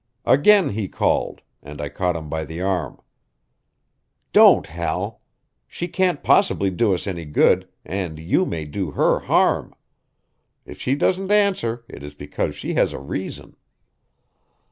Again he called, and I caught him by the arm. "Don't, Hal! She can't possibly do us any good, and you may do her harm. If she doesn't answer, it is because she has a reason."